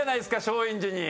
松陰寺に。